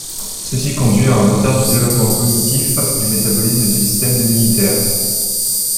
Ceci conduit à un retard du développement cognitif, du métabolisme et du système immunitaire.